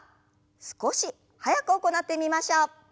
少し速く行ってみましょう。